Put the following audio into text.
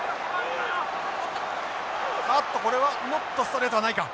あっとこれはノットストレートはないか。